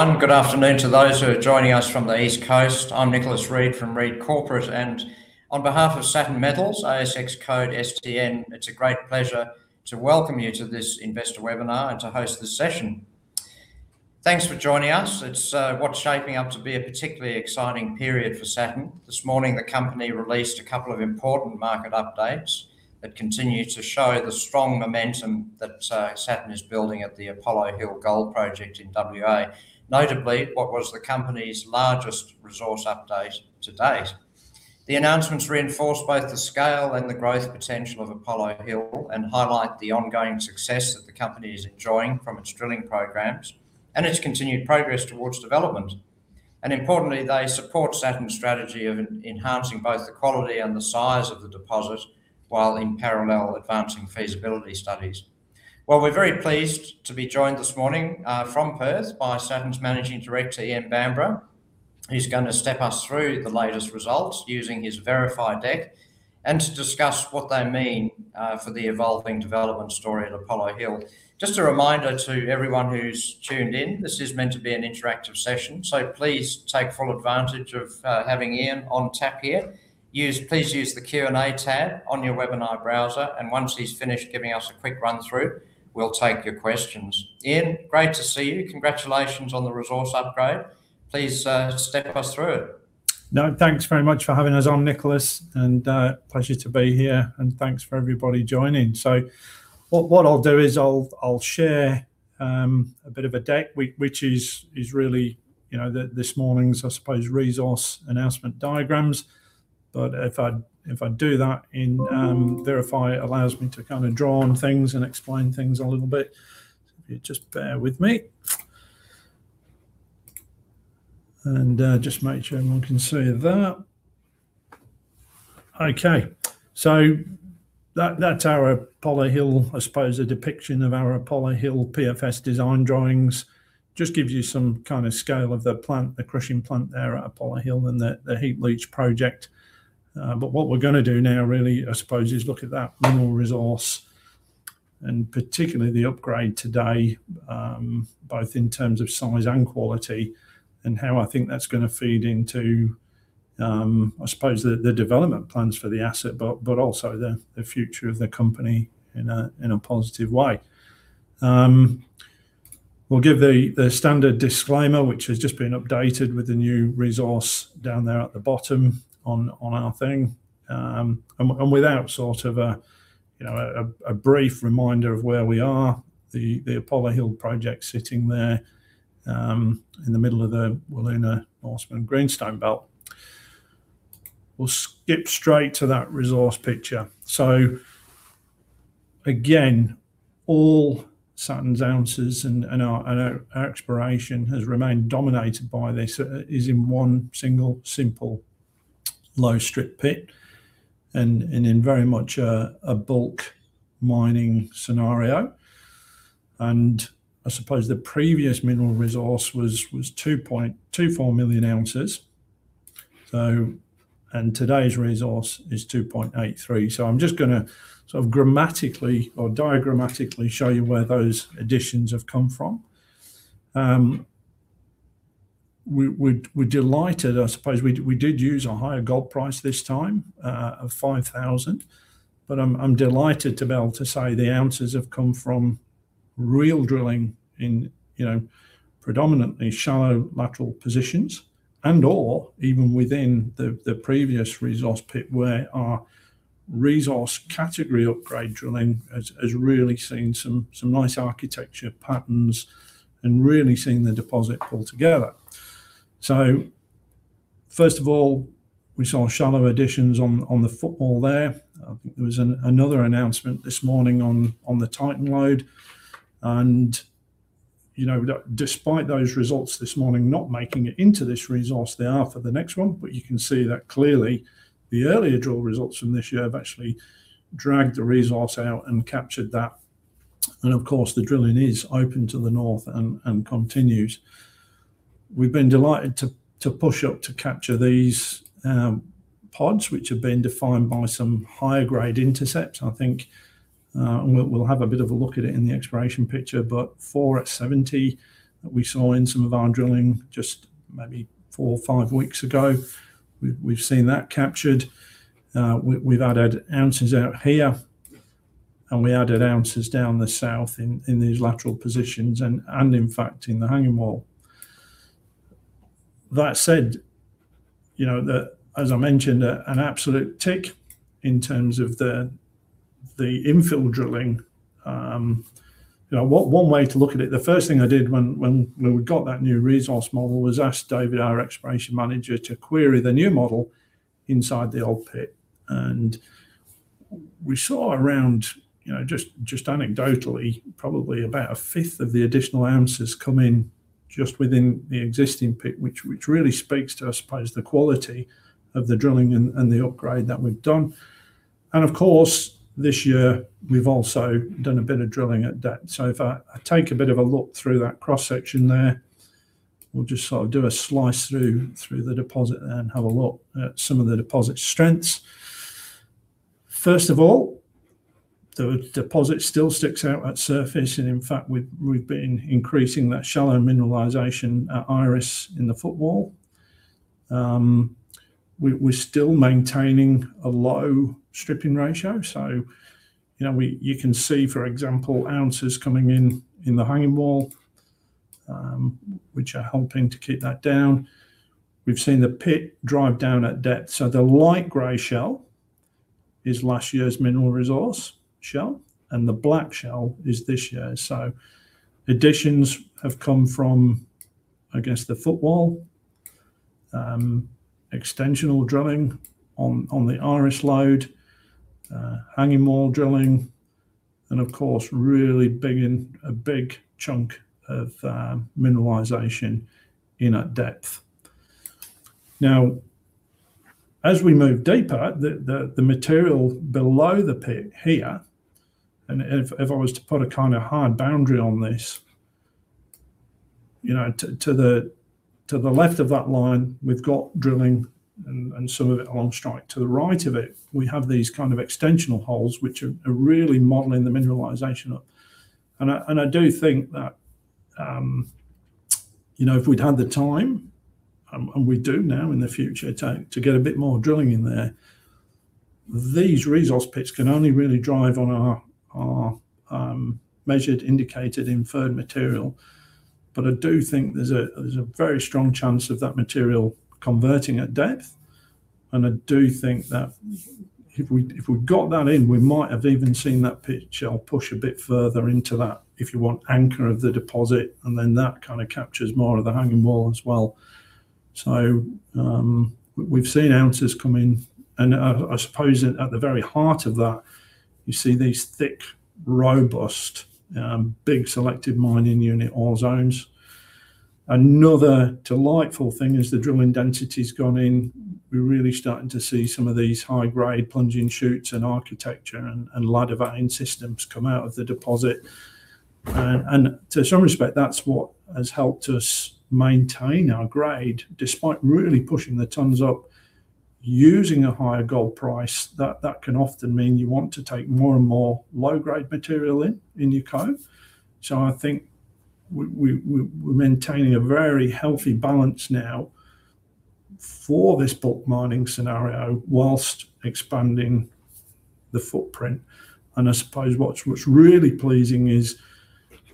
Good afternoon to those who are joining us from the East Coast. I'm Nicholas Read from Read Corporate, and on behalf of Saturn Metals, ASX code STN, it's a great pleasure to welcome you to this investor webinar and to host this session. Thanks for joining us. It's what's shaping up to be a particularly exciting period for Saturn. This morning, the company released a couple of important market updates that continue to show the strong momentum that Saturn is building at the Apollo Hill Gold Project in W.A., notably what was the company's largest resource update to date. The announcements reinforce both the scale and the growth potential of Apollo Hill and highlight the ongoing success that the company is enjoying from its drilling programs and its continued progress towards development. Importantly, they support Saturn's strategy of enhancing both the quality and the size of the deposit, while in parallel, advancing feasibility studies. Well, we're very pleased to be joined this morning from Perth by Saturn's Managing Director, Ian Bamborough, who's going to step us through the latest results using his PDF deck and to discuss what they mean for the evolving development story at Apollo Hill. Just a reminder to everyone who's tuned in, this is meant to be an interactive session, so please take full advantage of having Ian on tap here. Please use the Q&A tab on your webinar browser, and once he's finished giving us a quick run-through, we'll take your questions. Ian, great to see you. Congratulations on the resource upgrade. Please step us through it. No, thanks very much for having us on, Nicholas, and a pleasure to be here. Thanks for everybody joining. What I'll do is I'll share a bit of a deck, which is really this morning's, I suppose, resource announcement diagrams. If I do that in PDF, it allows me to kind of draw on things and explain things a little bit. If you'd just bear with me. Just make sure everyone can see that. Okay. That's our Apollo Hill, I suppose, a depiction of our Apollo Hill PFS design drawings. Just gives you some kind of scale of the plant, the crushing plant there at Apollo Hill and the heap leach project. What we're going to do now really, I suppose, is look at that mineral resource and particularly the upgrade today, both in terms of size and quality and how I think that's going to feed into, I suppose, the development plans for the asset but also the future of the company in a positive way. We'll give the standard disclaimer, which has just been updated with the new resource down there at the bottom on our thing. Without sort of a brief reminder of where we are, the Apollo Hill project sitting there in the middle of the Wiluna-Norseman greenstone belt. We'll skip straight to that resource picture. Again, all Saturn's ounces and our exploration has remained dominated by this. It is in one single, simple low-strip pit and in very much a bulk-mining scenario. I suppose the previous mineral resource was 2.24 million ounces, and today's resource is 2.83 million ounces. I'm just going to sort of grammatically or diagrammatically show you where those additions have come from. We're delighted, I suppose, we did use a higher gold price this time of 5,000, but I'm delighted to be able to say the ounces have come from real drilling in predominantly shallow lateral positions and/or even within the previous resource pit where our resource category upgrade drilling has really seen some nice architecture patterns and really seeing the deposit pull together. First of all, we saw shallow additions on the footwall there. I think there was another announcement this morning on the Titan lode, and despite those results this morning not making it into this resource, they are for the next one. You can see that clearly the earlier drill results from this year have actually dragged the resource out and captured that, and of course, the drilling is open to the north and continues. We've been delighted to push up to capture these pods, which have been defined by some higher-grade intercepts. I think we'll have a bit of a look at it in the exploration picture, but 4 m at 70 g per tonne of gold we saw in some of our drilling just maybe four or five weeks ago. We've seen that captured. We've added ounces out here, and we added ounces down the south in these lateral positions and in fact, in the hanging wall. That said, as I mentioned, an absolute tick in terms of the infill drilling. One way to look at it, the first thing I did when we got that new resource model was ask David, our exploration manager, to query the new model inside the old pit. We saw around, just anecdotally, probably about a fifth of the additional ounces come in just within the existing pit, which really speaks to, I suppose, the quality of the drilling and the upgrade that we've done. Of course, this year we've also done a bit of drilling at depth. If I take a bit of a look through that cross-section there, we'll just sort of do a slice through the deposit there and have a look at some of the deposit strengths. First of all, the deposit still sticks out at surface and, in fact, we've been increasing that shallow mineralization at Iris in the footwall. We're still maintaining a low stripping ratio. You can see, for example, ounces coming in the hanging wall, which are helping to keep that down. We've seen the pit drive down at depth. The light gray shell is last year's mineral resource shell and the black shell is this year. Additions have come from, I guess the footwall, extensional drilling on the Iris Lode, hanging wall drilling and of course, really bigging a big chunk of mineralization in at depth. As we move deeper, the material below the pit here, and if I was to put a kind of hard boundary on this, to the left of that line, we've got drilling and some of it along strike. To the right of it, we have these kind of extensional holes which are really modeling the mineralization up. I do think that, if we'd had the time, and we do now in the future, to get a bit more drilling in there. These resource pits can only really drive on our measured, indicated, inferred material. I do think there's a very strong chance of that material converting at depth. I do think that if we'd got that in, we might have even seen that pit shell push a bit further into that, if you want, anchor of the deposit and then that kind of captures more of the hanging wall as well. We've seen ounces come in and I suppose at the very heart of that, you see these thick, robust, big selective mining unit ore zones. Another delightful thing is the drilling density's gone in. We're really starting to see some of these high-grade plunging shoots and architecture and lode vein systems come out of the deposit. To some respect, that's what has helped us maintain our grade despite really pushing the tonnes up using a higher gold price. That can often mean you want to take more and more low-grade material in your cone. I think we're maintaining a very healthy balance now for this bulk mining scenario whilst expanding the footprint. I suppose what's really pleasing is,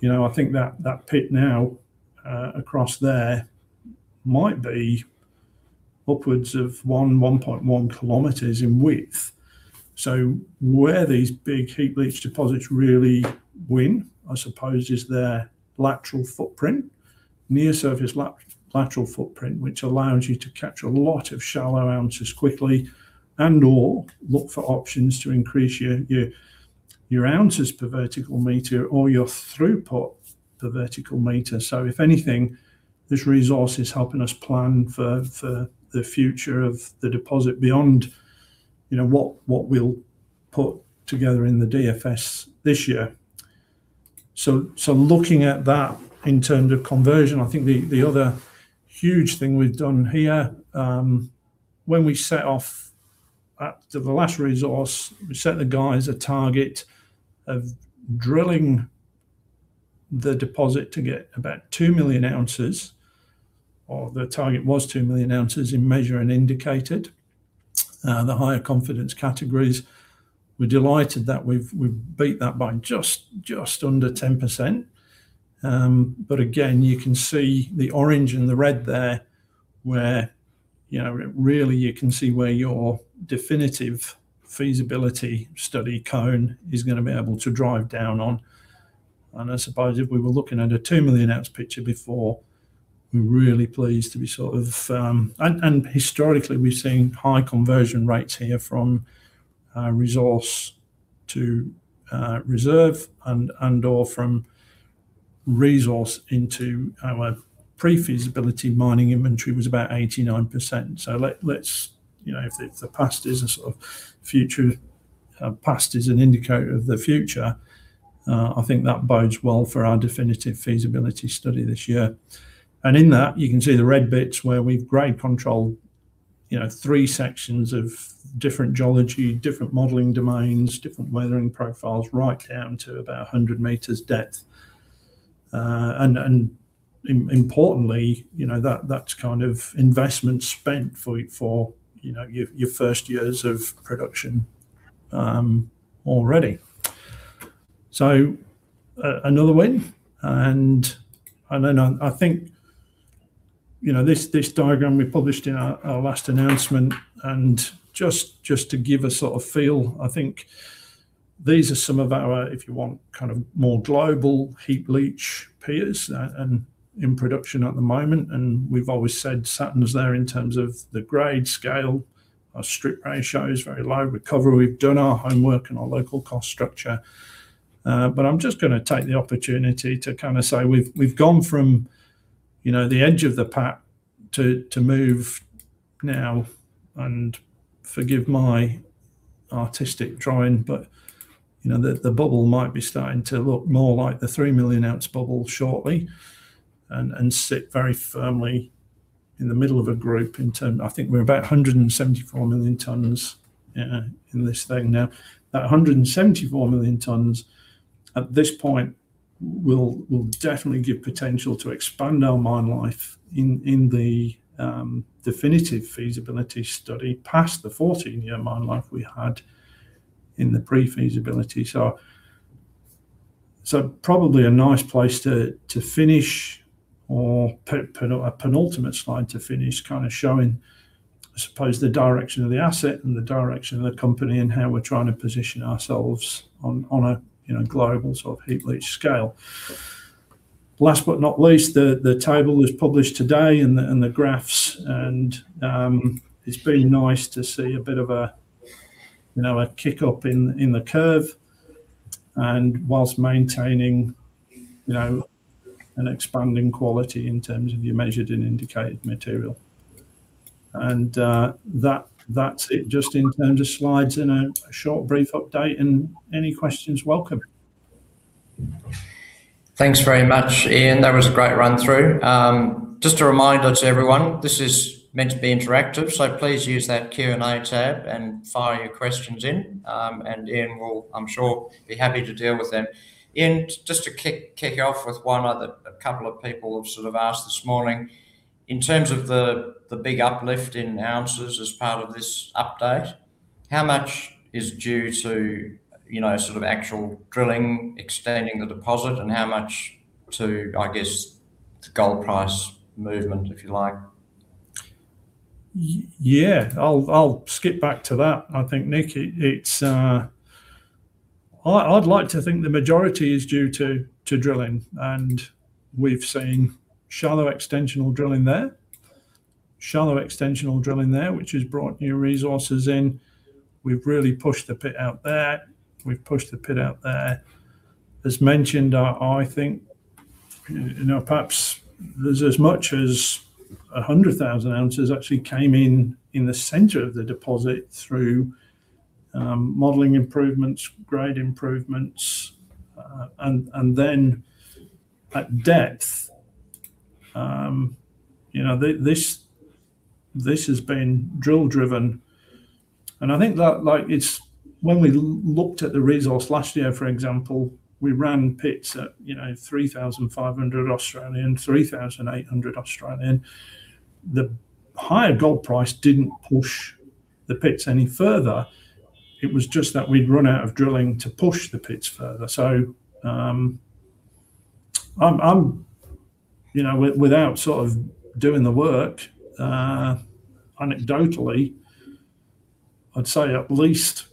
I think that pit now, across there might be upwards of 1.1 km in width. Where these big heap leach deposits really win, I suppose, is their lateral footprint. Near surface lateral footprint, which allows you to capture a lot of shallow ounces quickly and/or look for options to increase your ounces per vertical meter or your throughput per vertical meter. If anything, this resource is helping us plan for the future of the deposit beyond what we'll put together in the DFS this year. Looking at that in terms of conversion, I think the other huge thing we've done here, when we set off at the last resource, we set the guys a target of drilling the deposit to get about 2 million ounces, or the target was 2 million ounces in Measured and Indicated, the higher confidence categories. We're delighted that we've beat that by just under 10%. Again, you can see the orange and the red there where really you can see where your definitive feasibility study cone is going to be able to drive down on. I suppose if we were looking at a 2 million ounce picture before, we're really pleased to be sort of. Historically we've seen high conversion rates here from resource to reserve and/or from resource into our pre-feasibility mining inventory was about 89%. If the past is an indicator of the future, I think that bodes well for our definitive feasibility study this year. In that you can see the red bits where we've grade controlled three sections of different geology, different modeling domains, different weathering profiles right down to about 100 m depth. Importantly, that's kind of investment spent for your first years of production already. Another win. I think this diagram we published in our last announcement and just to give a sort of feel, I think these are some of our, if you want, kind of more global heap leach peers in production at the moment, and we've always said Saturn's there in terms of the grade scale. Our strip ratio is very low, recovery, and we've done our homework and our local cost structure. I'm just going to take the opportunity to kind of say we've gone from the edge of the pack to move now and, forgive my artistic drawing, but the bubble might be starting to look more like the 3 million-ounce bubble shortly and sit very firmly in the middle of a group in terms. I think we're about 174 million tonnes in this thing now. That 174 million tonnes, at this point, will definitely give potential to expand our mine life in the definitive feasibility study past the 14-year mine life we had in the pre-feasibility. Probably a nice place to finish, or a penultimate slide to finish showing, I suppose, the direction of the asset and the direction of the company and how we're trying to position ourselves on a global heap leach scale. Last but not least, the table was published today and the graphs. It's been nice to see a bit of a kick up in the curve. Whilst maintaining an expanding quality in terms of your measured and indicated material. That's it just in terms of slides. A short brief update. Any questions welcome. Thanks very much, Ian. That was a great run through. Just a reminder to everyone, this is meant to be interactive, so please use that Q&A tab and fire your questions in, and Ian will, I'm sure, be happy to deal with them. Ian, just to kick off with one a couple of people have asked this morning. In terms of the big uplift in ounces as part of this update, how much is due to actual drilling, extending the deposit, and how much to, I guess, the gold price movement, if you like? Yeah. I'll skip back to that, I think, Nick. I'd like to think the majority is due to drilling. We've seen shallow extensional drilling there. Shallow extensional drilling there, which has brought new resources in. We've really pushed the pit out there. We've pushed the pit out there. As mentioned, I think, perhaps there's as much as 100,000 oz actually came in the center of the deposit through modeling improvements, grade improvements. Then at depth, this has been drill-driven. I think when we looked at the resource last year, for example, we ran pits at 3,500-3,800. The higher gold price didn't push the pits any further. It was just that we'd run out of drilling to push the pits further. Without doing the work, anecdotally, I'd say at least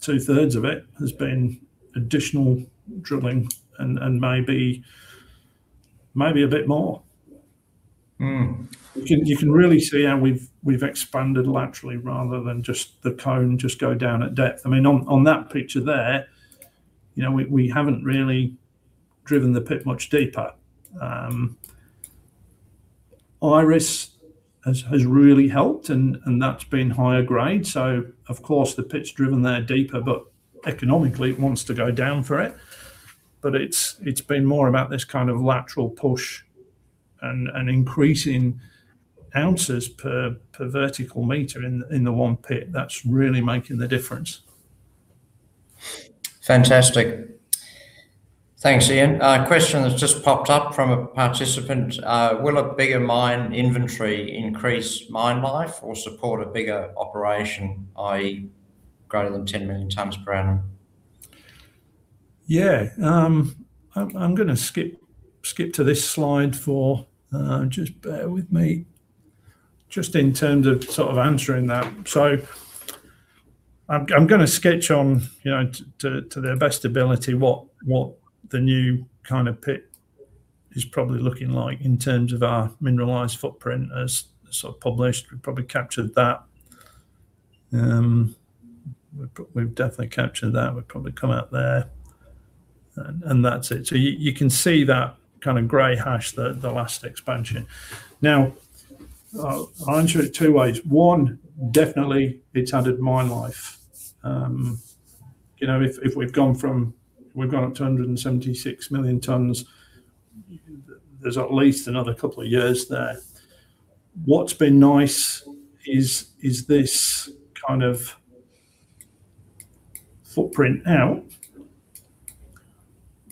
two-thirds of it has been additional drilling and maybe a bit more. You can really see how we've expanded laterally rather than just the cone just go down at depth. On that picture there, we haven't really driven the pit much deeper. Iris has really helped, and that's been higher grade, so of course, the pit's driven there deeper. Economically, it wants to go down for it. It's been more about this kind of lateral push and increasing ounces per vertical meter in the one pit. That's really making the difference. Fantastic. Thanks, Ian. A question has just popped up from a participant. Will a bigger mine inventory increase mine life or support a bigger operation, i.e. greater than 10 million tonnes per annum? Yeah. I'm going to skip to this slide. Just bear with me. In terms of answering that. I'm going to sketch on, to the best ability, what the new kind of pit is probably looking like in terms of our mineralized footprint as published. We've probably captured that. We've definitely captured that. We've probably come out there. That's it. You can see that gray hash, the last expansion. I'll answer it two ways. One, definitely it's added mine life. If we've gone up to 176 million tonnes, there's at least another couple of years there. What's been nice is this kind of footprint out,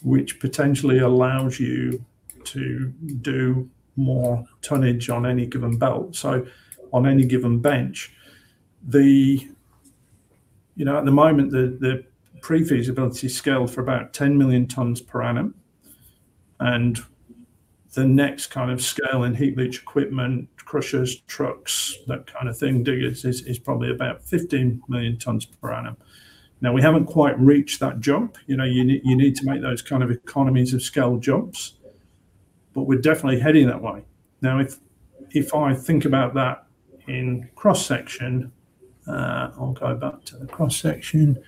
which potentially allows you to do more tonnage on any given belt, so on any given bench. At the moment, the pre-feasibility scale for about 10 million tonnes per annum. The next kind of scale in heap leach equipment, crushers, trucks, that kind of thing, diggers, is probably about 15 million tonnes per annum. We haven't quite reached that jump. You need to make those kind of economies-of-scale jumps. We're definitely heading that way. If I think about that in cross-section, I'll go back to the cross-section.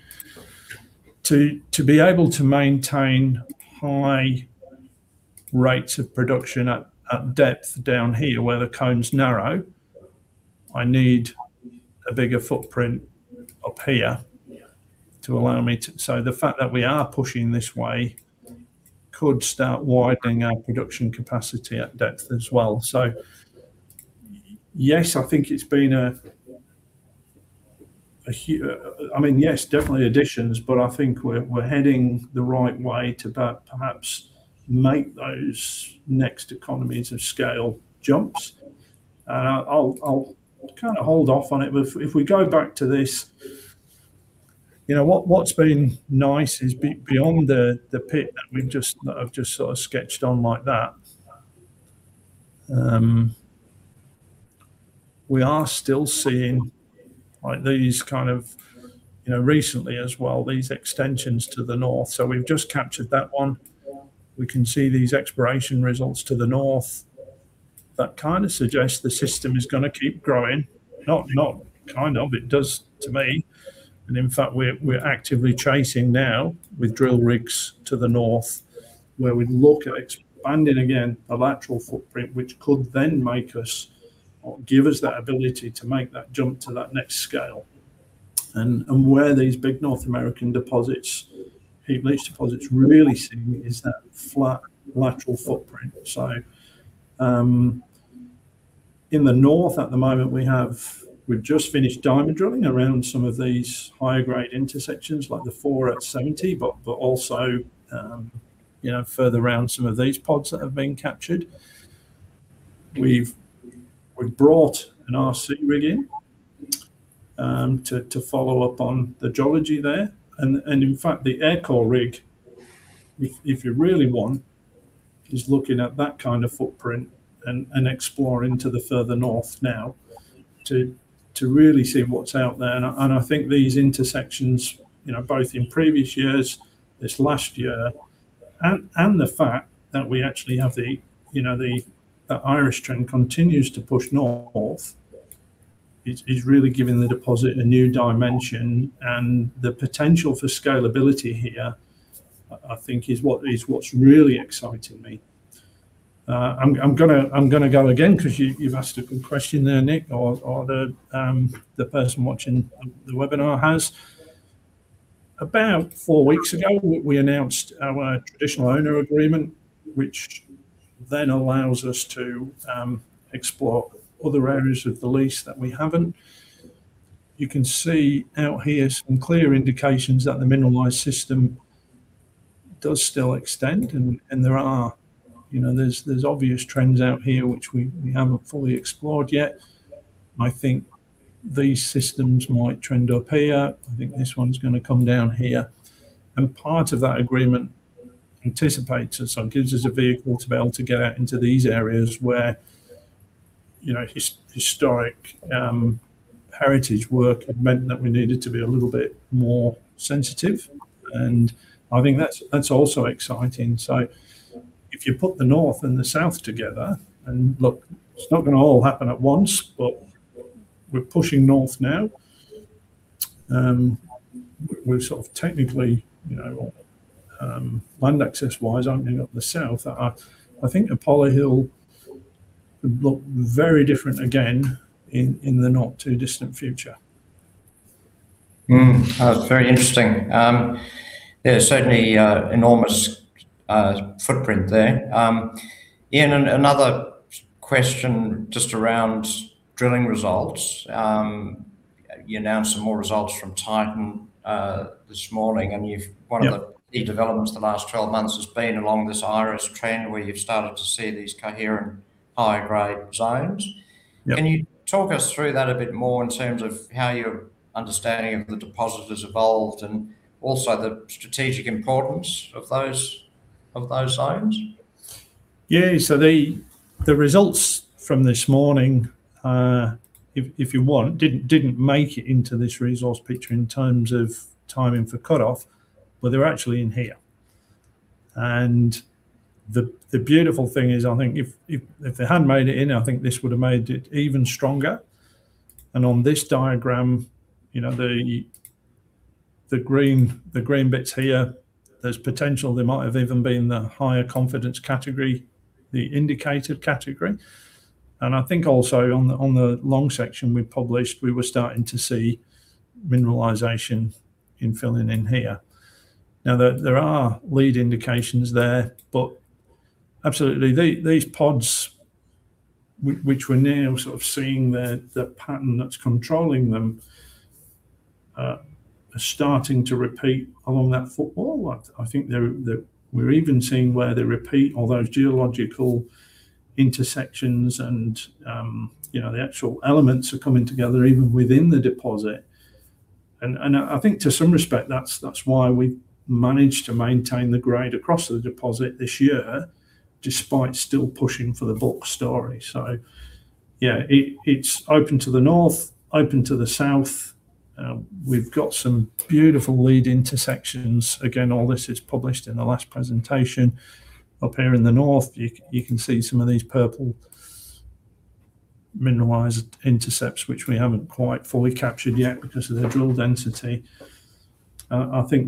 To be able to maintain high rates of production at depth down here, where the cone's narrow, I need a bigger footprint up here. The fact that we are pushing this way could start widening our production capacity at depth as well. Yes, I think it's been definitely additions, but I think we're heading the right way to perhaps make those next economies of scale jumps. I'll hold off on it. If we go back to this, what's been nice is beyond the pit that I've just sketched on like that, we are still seeing these, recently as well, these extensions to the north. We've just captured that one. We can see these exploration results to the north that suggest the system is going to keep growing. Not kind of. It does to me. In fact, we're actively tracing now with drill rigs to the north, where we look at expanding again a lateral footprint, which could then make us or give us that ability to make that jump to that next scale. Where these big North American deposits, heap leach deposits, really seem is that flat, lateral footprint. In the north at the moment, we've just finished diamond drilling around some of these higher-grade intersections, like the 4 m at 70 g per tonne of gold, but also further around some of these pods that have been captured. We've brought an RC rig in to follow up on the geology there. In fact, the Aircore rig, if you really want, is looking at that kind of footprint and exploring to the further north now to really see what's out there. I think these intersections, both in previous years, this last year, and the fact that we actually have the Iris trend continues to push north, is really giving the deposit a new dimension. The potential for scalability here, I think is what's really exciting me. I'm going to go again, because you've asked a good question there, Nick, or the person watching the webinar has. About four weeks ago, we announced our traditional owner agreement, which then allows us to explore other areas of the lease that we haven't. You can see out here some clear indications that the mineralized system does still extend, and there's obvious trends out here which we haven't fully explored yet. I think these systems might trend up here. I think this one's going to come down here. Part of that agreement anticipates us or gives us a vehicle to be able to get out into these areas where historic heritage work had meant that we needed to be a little bit more sensitive, and I think that's also exciting. If you put the north and the south together, and look, it's not going to all happen at once, but we're pushing north now. We're sort of technically, land access-wise, opening up the south. I think Apollo Hill will look very different again in the not-too-distant future. That's very interesting. There's certainly enormous footprint there. Ian, another question just around drilling results. You announced some more results from Titan this morning. Yeah. One of the key developments the last 12 months has been along this Iris trend, where you've started to see these coherent high-grade zones. Yeah. Can you talk us through that a bit more in terms of how your understanding of the deposit has evolved and also the strategic importance of those zones? Yeah. The results from this morning, if you want, didn't make it into this resource picture in terms of timing for cut-off, but they're actually in here. The beautiful thing is, I think if they had made it in, I think this would've made it even stronger. On this diagram, the green bits here, there's potential they might have even been the higher confidence category, the indicated category. I think also on the long section we published, we were starting to see mineralization infilling in here. Now, there are lead indications there. Absolutely, these pods, which we're now sort of seeing the pattern that's controlling them, are starting to repeat along that footwall. I think we're even seeing where they repeat all those geological intersections and the actual elements are coming together even within the deposit. I think to some respect, that's why we managed to maintain the grade across the deposit this year despite still pushing for the bulk story. Yeah, it's open to the north, open to the south. We've got some beautiful lode intersections. Again, all this is published in the last presentation. Up here in the north, you can see some of these purple mineralized intercepts, which we haven't quite fully captured yet because of their drill density. I think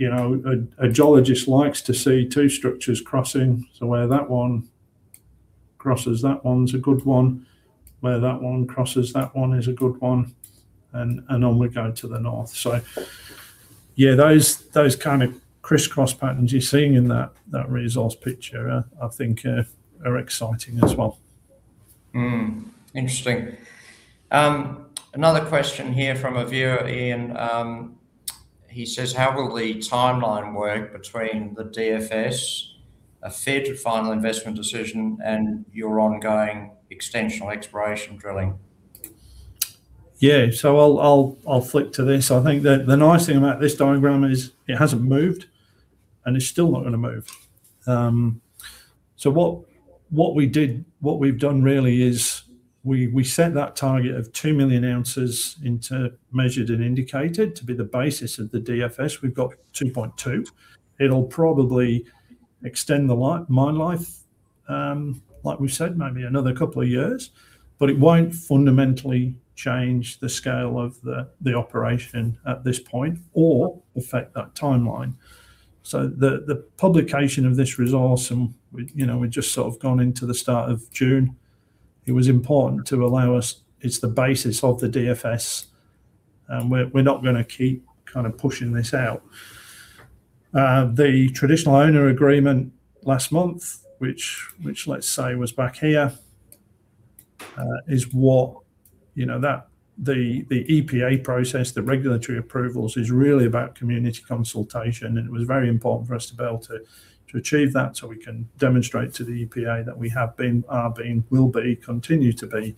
a geologist likes to see two structures crossing. Where that one crosses that one's a good one. Where that one crosses that one is a good one, and on we go to the north. Yeah, those kind of crisscross patterns you're seeing in that resource picture, I think are exciting as well. Interesting. Another question here from a viewer, Ian. He says, "How will the timeline work between the DFS, a feed to final investment decision, and your ongoing extensional exploration drilling? Yeah. I'll flick to this. I think that the nice thing about this diagram is it hasn't moved, and it's still not going to move. What we've done really is we set that target of 2 million ounces into measured and indicated to be the basis of the DFS. We've got 2.2 million ounces. It'll probably extend the mine life, like we've said, maybe another couple of years, but it won't fundamentally change the scale of the operation at this point or affect that timeline. The publication of this resource, and we'd just sort of gone into the start of June, it was important to allow us It's the basis of the DFS, and we're not going to keep pushing this out. The traditional owner agreement last month, which let's say was back here, the EPA process, the regulatory approvals, is really about community consultation. It was very important for us to be able to achieve that so we can demonstrate to the EPA that we have been, are being, will be, continue to be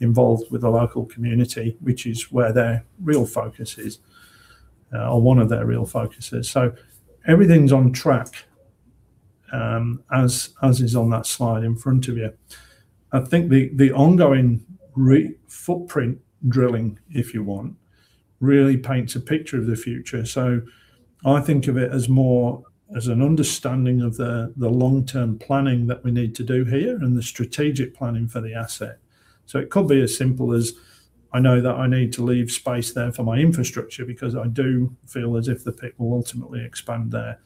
involved with the local community, which is where their real focus is. One of their real focuses. Everything's on track, as is on that slide in front of you. I think the ongoing footprint drilling, if you want, really paints a picture of the future. I think of it as more as an understanding of the long-term planning that we need to do here and the strategic planning for the asset. It could be as simple as I know that I need to leave space there for my infrastructure because I do feel as if the pit will ultimately expand there.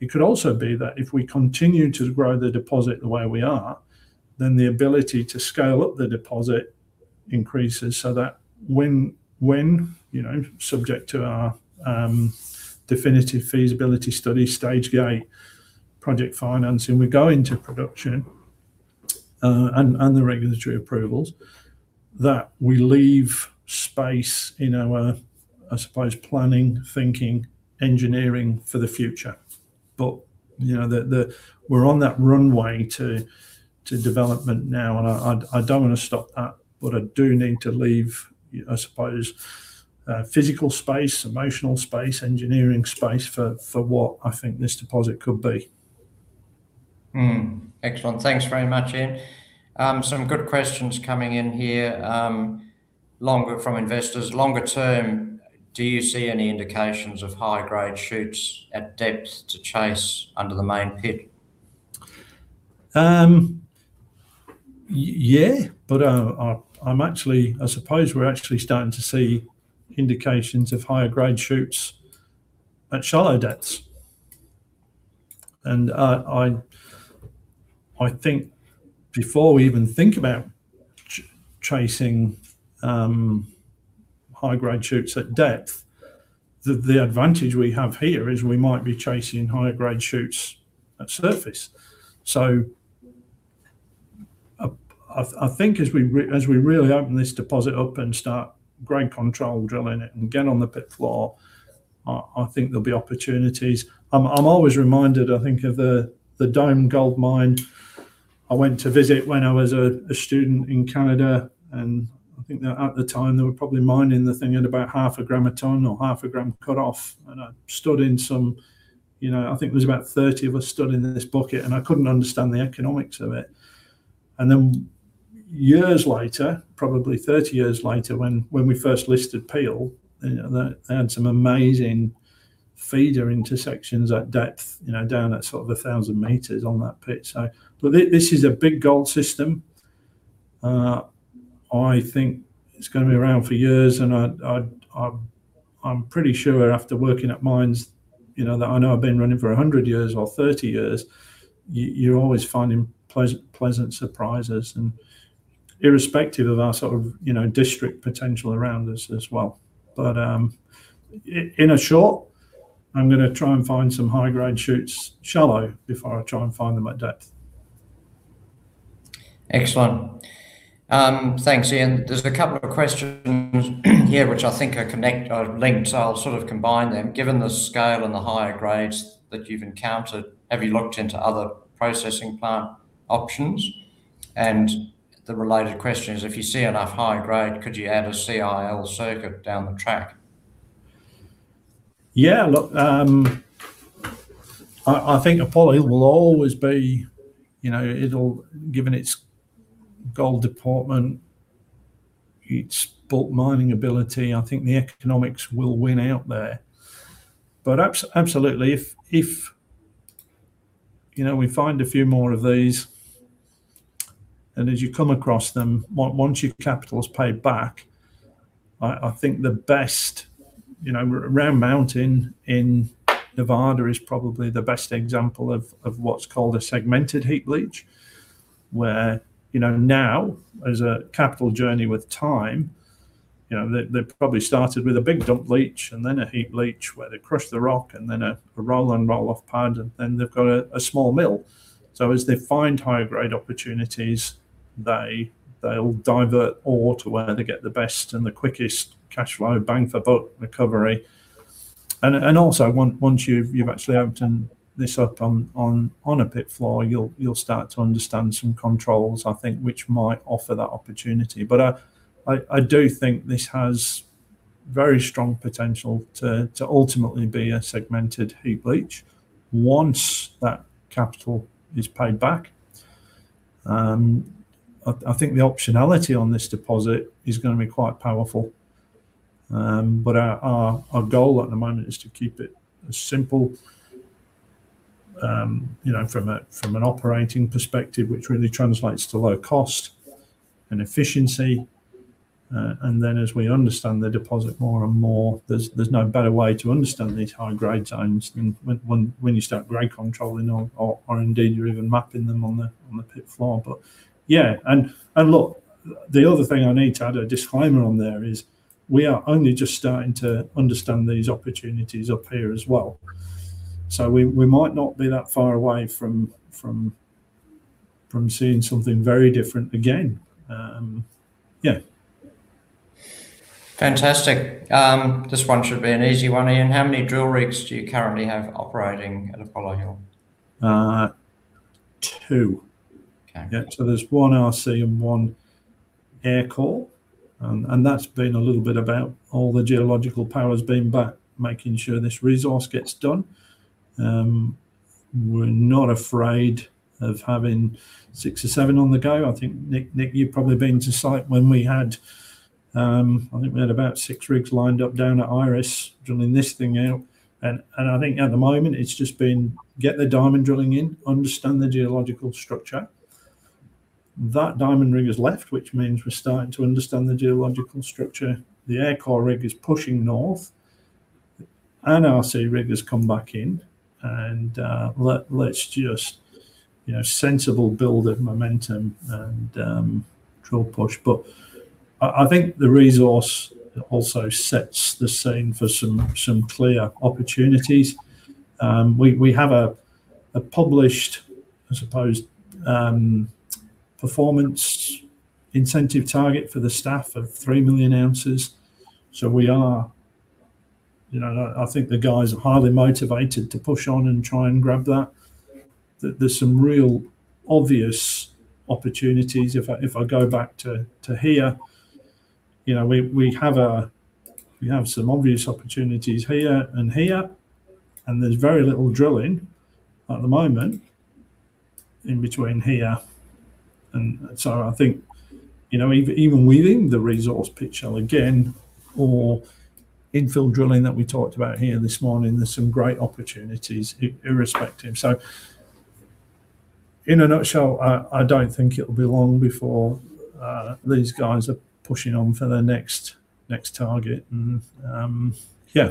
It could also be that if we continue to grow the deposit the way we are, then the ability to scale up the deposit increases so that when, subject to our definitive feasibility study stage gate project financing, we go into production, and the regulatory approvals, that we leave space in our, I suppose, planning, thinking, engineering for the future. We're on that runway to development now, and I don't want to stop that, but I do need to leave, I suppose, physical space, emotional space, engineering space for what I think this deposit could be. Excellent. Thanks very much, Ian. Some good questions coming in here. From investors, longer term, do you see any indications of high-grade shoots at depth to chase under the main pit? Yeah. I suppose we're actually starting to see indications of higher-grade shoots at shallow depths. I think before we even think about chasing high-grade shoots at depth, the advantage we have here is we might be chasing higher-grade shoots at surface. I think as we really open this deposit up and start grade control drilling it and get on the pit floor, I think there'll be opportunities. I'm always reminded, I think, of the Dome Gold Mine I went to visit when I was a student in Canada, and I think that at the time they were probably mining the thing at about 0.5 g a tonne or 0.5 g cut off. I stood in some I think there was about 30 of us stood in this bucket, and I couldn't understand the economics of it. Years later, probably 30 years later, when we first listed Peel, they had some amazing feeder intersections at depth, down at sort of 1,000 m on that pit. This is a big gold system. I think it's going to be around for years, and I'm pretty sure after working at mines that I know have been running for 100 years or 30 years, you're always finding pleasant surprises and irrespective of our sort of district potential around us as well. In a short, I'm going to try and find some high-grade shoots shallow before I try and find them at depth. Excellent. Thanks, Ian. There's a couple of questions here which I think are linked, so I'll sort of combine them. Given the scale and the higher grades that you've encountered, have you looked into other processing plant options? The related question is, if you see enough high grade, could you add a CIL circuit down the track? Yeah. Look, I think Apollo will always be, given its gold endowment, its bulk mining ability, I think the economics will win out there. Absolutely. If we find a few more of these, as you come across them, once your capital is paid back, I think Round Mountain in Nevada is probably the best example of what's called a segmented heap leach, where now, as a capital journey with time, they probably started with a big dump leach and then a heap leach where they crushed the rock and then a roll-on roll-off pad, and then they've got a small mill. As they find higher-grade opportunities, they'll divert ore to where they get the best and the quickest cash flow, bang-for-buck recovery. Once you've actually opened this up on a pit floor, you'll start to understand some controls, I think, which might offer that opportunity. I do think this has very strong potential to ultimately be a segmented heap leach once that capital is paid back. I think the optionality on this deposit is going to be quite powerful. Our goal at the moment is to keep it as simple from an operating perspective, which really translates to low cost and efficiency. As we understand the deposit more and more, there's no better way to understand these high-grade zones than when you start grade controlling or indeed you're even mapping them on the pit floor. The other thing I need to add a disclaimer on there is we are only just starting to understand these opportunities up here as well. We might not be that far away from seeing something very different again. Yeah. Fantastic. This one should be an easy one, Ian. How many drill rigs do you currently have operating at Apollo Hill? Two. Okay. Yeah. There's one RC and one Aircore, and that's been a little bit about all the geological powers being about making sure this resource gets done. We're not afraid of having six or seven on the go. I think, Nick, you've probably been to site when we had about six rigs lined up down at Iris drilling this thing out. I think at the moment it's just been get the diamond drilling in, understand the geological structure. That diamond rig has left, which means we're starting to understand the geological structure. The Aircore rig is pushing north. An RC rig has come back in. Let's just sensible build of momentum and drill push. I think the resource also sets the scene for some clear opportunities. We have a published, I suppose, performance incentive target for the staff of 3 million ounces. I think the guys are highly motivated to push on and try and grab that. There's some real obvious opportunities if I go back to here. We have some obvious opportunities here and here. There's very little drilling at the moment in between here. I think even within the resource pit shell, again, or infill drilling that we talked about here this morning, there's some great opportunities irrespective. In a nutshell, I don't think it'll be long before these guys are pushing on for their next target. Yeah.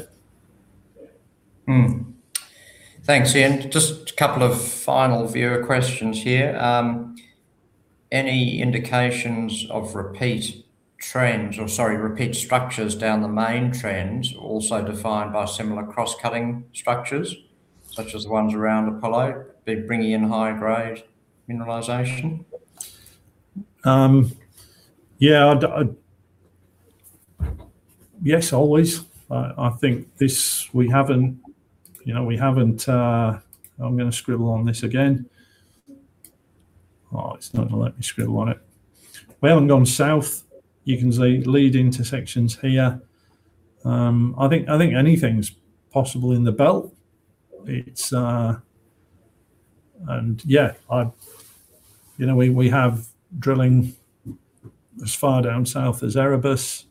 Thanks, Ian. Just a couple of final viewer questions here. Any indications of repeat trends, or, sorry, repeat structures down the main trends, also defined by similar cross-cutting structures, such as the ones around Apollo, bringing in high-grade mineralization? Yeah. Yes, always. I'm going to scribble on this again. Oh, it's not going to let me scribble on it. We haven't gone south. You can see lead intersections here. I think anything's possible in the belt. Yeah, we have drilling as far down south as Erebus.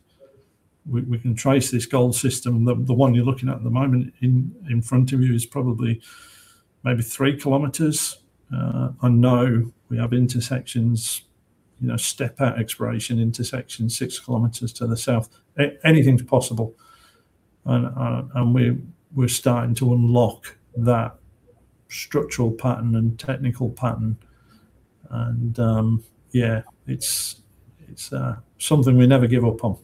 We can trace this gold system. The one you're looking at at the moment in front of you is probably maybe 3 km. I know we have intersections, step-out exploration intersections, 6 km to the south. Anything's possible. We're starting to unlock that structural pattern and technical pattern, and yeah, it's something we never give up on.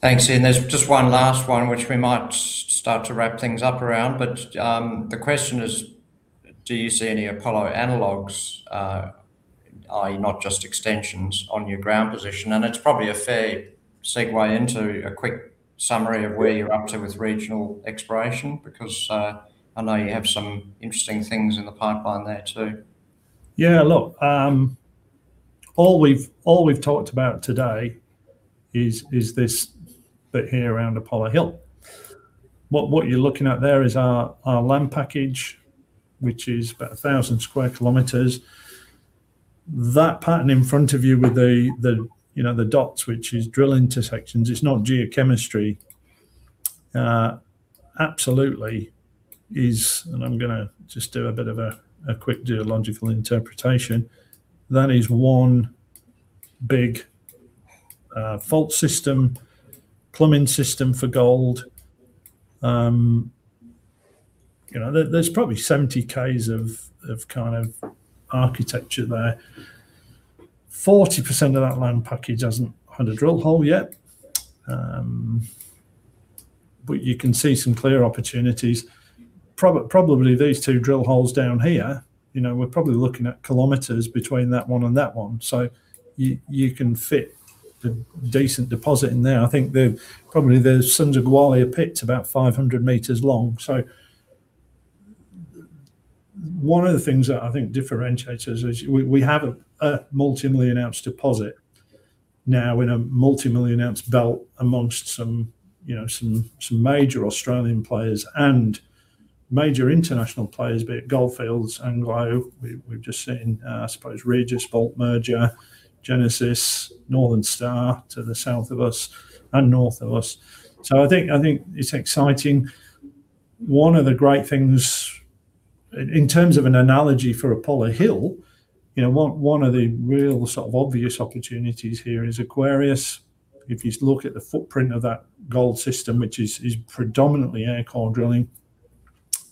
Thanks, Ian. There's just one last one, which we might start to wrap things up around, but the question is, do you see any Apollo analogues, i.e., not just extensions, on your ground position? It's probably a fair segue into a quick summary of where you're up to with regional exploration, because I know you have some interesting things in the pipeline there, too. Yeah, look, all we've talked about today is this bit here around Apollo Hill. What you're looking at there is our land package, which is about 1,000 sq km. That pattern in front of you with the dots, which is drill intersections. It's not geochemistry. Absolutely is, and I'm going to just do a bit of a quick geological interpretation. That is one big fault system, plumbing system for gold. There's probably 70 km of architecture there. 40% of that land package hasn't had a drill hole yet. You can see some clear opportunities. Probably these two drill holes down here, we're probably looking at kilometers between that one and that one. You can fit a decent deposit in there. I think probably the Sons of Gwalia pit's about 500 m long. One of the things that I think differentiates us is we have a multimillion-ounce deposit now in a multimillion-ounce belt amongst some major Australian players and major international players, be it Gold Fields, Anglo. We've just seen, I suppose, Regis gold merger, Genesis, Northern Star to the south of us and north of us. I think it's exciting. One of the great things in terms of an analogy for Apollo Hill, one of the real obvious opportunities here is Aquarius. If you look at the footprint of that gold system, which is predominantly Aircore drilling,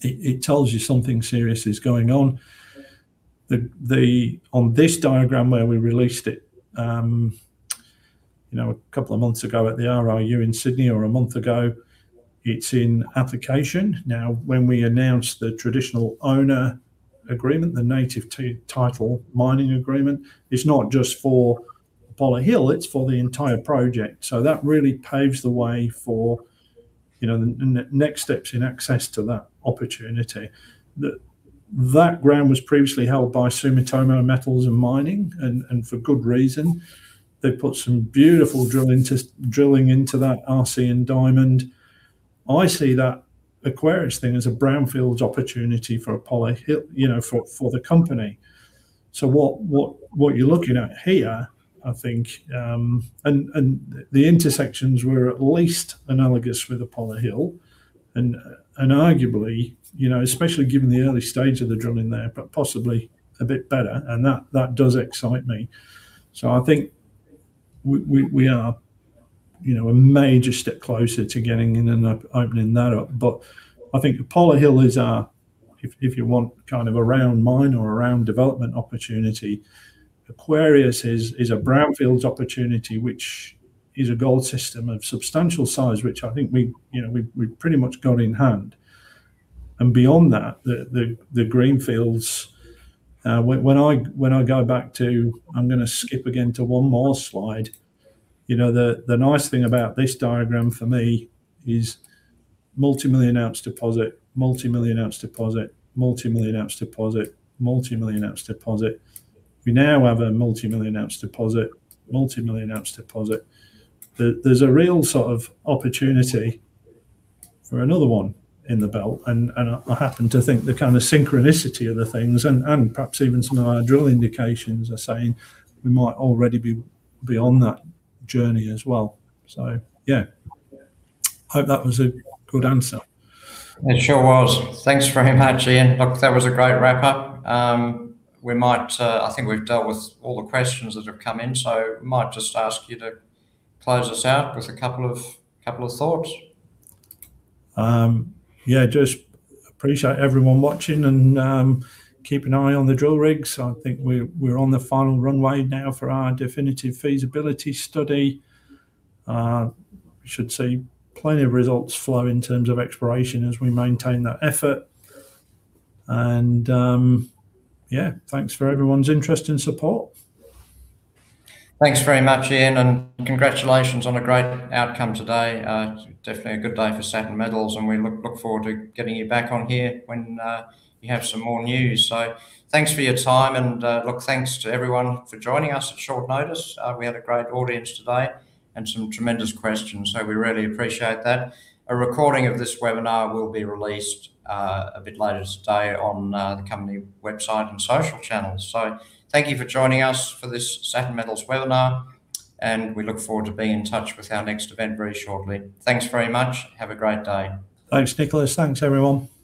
it tells you something serious is going on. On this diagram where we released it, a couple of months ago at the RIU in Sydney or a month ago, it's in application. When we announce the traditional owner agreement, the native title mining agreement, it's not just for Apollo Hill, it's for the entire project. That really paves the way for the next steps in access to that opportunity. That ground was previously held by Sumitomo Metal Mining, and for good reason. They put some beautiful drilling into that RC and diamond. I see that Aquarius thing as a brownfields opportunity for Apollo Hill for the company. What you're looking at here, I think, and the intersections were at least analogous with Apollo Hill, and arguably, especially given the early stage of the drilling there, but possibly a bit better, and that does excite me. I think we are a major step closer to getting in and opening that up. I think Apollo Hill is a, if you want, a round mine or a round development opportunity. Aquarius is a brownfields opportunity, which is a gold system of substantial size, which I think we've pretty much got in hand. Beyond that, the greenfields. When I go back to I'm going to skip again to one more slide. The nice thing about this diagram for me is multimillion-ounce deposit, multimillion-ounce deposit, multimillion-ounce deposit, multimillion-ounce deposit. We now have a multimillion-ounce deposit, multimillion-ounce deposit. There's a real opportunity for another one in the belt, and I happen to think the kind of synchronicity of the things and perhaps even some of our drill indications are saying we might already be beyond that journey as well. Yeah. Hope that was a good answer. It sure was. Thanks very much, Ian. Look, that was a great wrap-up. I think we've dealt with all the questions that have come in, so might just ask you to close us out with a couple of thoughts. Yeah, just appreciate everyone watching and keep an eye on the drill rigs. I think we're on the final runway now for our definitive feasibility study. We should see plenty of results flow in terms of exploration as we maintain that effort. Yeah, thanks for everyone's interest and support. Thanks very much, Ian, and congratulations on a great outcome today. Definitely a good day for Saturn Metals, and we look forward to getting you back on here when you have some more news. Thanks for your time and, look, thanks to everyone for joining us at short notice. We had a great audience today and some tremendous questions. We really appreciate that. A recording of this webinar will be released a bit later today on the company website and social channels. Thank you for joining us for this Saturn Metals webinar, and we look forward to being in touch with our next event very shortly. Thanks very much. Have a great day. Thanks, Nicholas. Thanks, everyone. Bye.